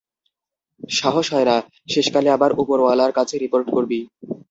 সাহস হয় না, শেষকালে আমার উপরওয়ালার কাছে রিপোর্ট করবি!